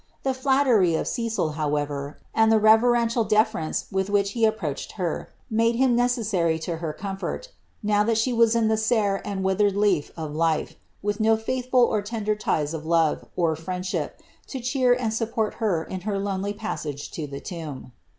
The flattery of Cecil, however, and the reverential deference ith which he approached her, made him necessary to her comfort, now lat she was in the sere and withered leaf of life, with no faithful or sider ties of love, or friendship, to cheer and support her in her lonely iBsage to the tomb.